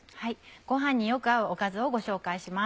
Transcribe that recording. ご飯によく合うおかずをご紹介します。